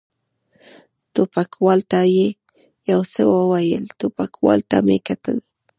ټوپکوال ته یې یو څه وویل، ټوپکوال ته مې کتل.